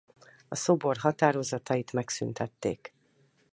A szobor határozatait megszüntették.